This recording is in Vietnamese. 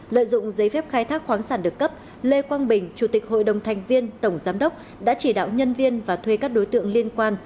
lợi dụng giấy phép khai thác khoáng sản được cấp lê quang bình chủ tịch hội đồng thành viên tổng giám đốc đã chỉ đạo nhân viên và thuê các đối tượng liên quan